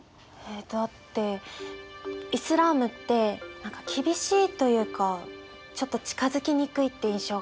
だってイスラームって何か厳しいというかちょっと近づきにくいって印象があって。